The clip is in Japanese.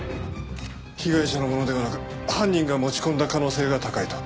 被害者のものではなく犯人が持ち込んだ可能性が高いと。